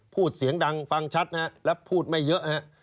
พูดเสียงดังฟังชัดนะครับแล้วพูดไม่เยอะนะครับ